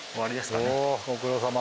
ご苦労さま。